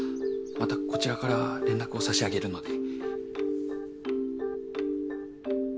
またこちらから連絡を差し上げるので。